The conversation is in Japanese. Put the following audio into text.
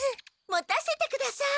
持たせてください。